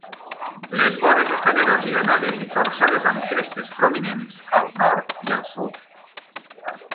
Les vores estan erosionades i torçades amb crestes prominents al nord i al sud.